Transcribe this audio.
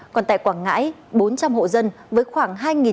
còn tại quảng ngãi bốn trăm linh hộ dân với khoảng hai nhân cư